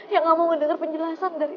yang gak mau ngedengar penjelasan dari lo